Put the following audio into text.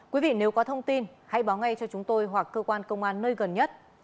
quý vị nếu có thông tin hãy báo ngay cho chúng tôi hoặc cơ quan công an nơi gần nhất